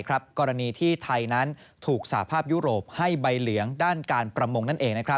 กรณีที่ไทยนั้นถูกสาภาพยุโรปให้ใบเหลืองด้านการประมงนั่นเอง